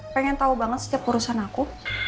pengen tahu banget setiap urusan aku